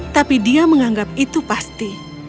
tapi dia menganggap itu pasti